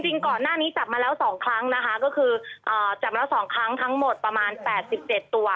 จริงก่อนหน้านี้จับมาแล้วสองครั้งนะคะก็คือจับมาแล้วสองครั้งทั้งหมดประมาณแปดสิบเจ็ดตัวค่ะ